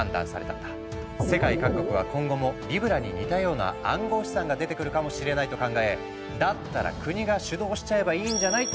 世界各国は今後もリブラに似たような暗号資産が出てくるかもしれないと考えだったら国が主導しちゃえばいいんじゃない？